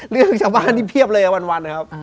เรื่องชาวบ้านนี่เพียบเลยวันนะครับ